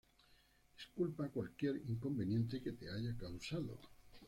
Disculpa cualquier inconveniente que te haya causado.